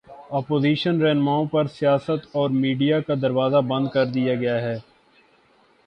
Opposition راہنماؤں پر سیاست اور میڈیا کا دروازہ بند کر دیا گیا ہے۔